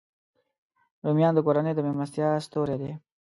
رومیان د کورنۍ د میلمستیا ستوری دی